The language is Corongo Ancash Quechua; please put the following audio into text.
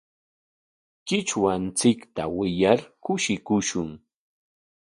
Qichwanchikta wiyar kushikushun.